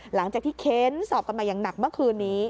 หลังจากที่เค้นสอบกันมาอย่างหนักเมื่อคืนนี้